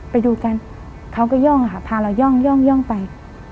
ไปดูกันเขาก็ย่องค่ะพาเราย่องไป